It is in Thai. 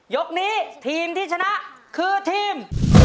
ยกนี้ทีมที่ชนะคือทีม